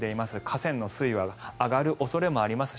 河川の水位は上がる恐れもあります